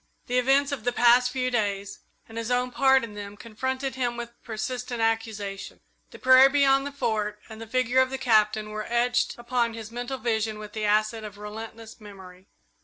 The events of the past few days and his own part in them confronted him with persistent accusation. The prairie beyond the Fort and the figure of the Captain were etched upon his mental vision with the acid of relentless memory.